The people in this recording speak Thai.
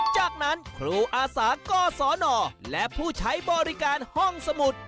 จากนั้นครูอาสากศนและผู้ใช้บริการห้องสมุด